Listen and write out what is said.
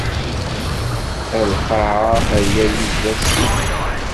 A lqaɛa, rgagi sdat Sidi.